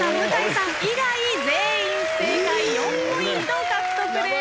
さん以外全員正解４ポイント獲得です。